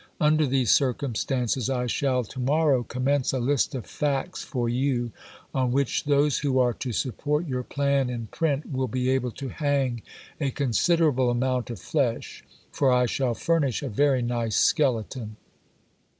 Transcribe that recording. Under these circumstances I shall to morrow commence a list of facts for you on which those who are to support your plan in print will be able to hang a considerable amount of flesh, for I shall furnish a very nice skeleton."